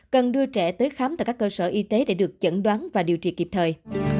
cần đưa trẻ tới khám tại các cơ sở y tế để được chẩn đoán và điều trị kịp thời